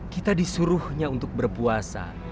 kita disuruhnya untuk berpuasa